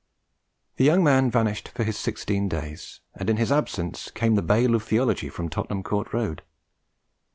The young man vanished for his sixteen days, and in his absence came the bale of theology from Tottenham Court Road.